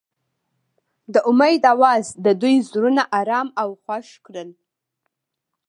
د امید اواز د دوی زړونه ارامه او خوښ کړل.